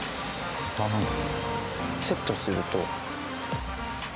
セットすると。